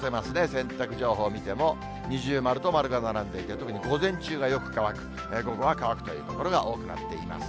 洗濯情報見ても、二重丸と丸が並んでいて、特に午前中がよく乾く、午後は乾くという所が多くなっています。